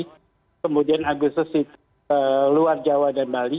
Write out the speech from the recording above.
kemudian agustus itu luar jawa dan bali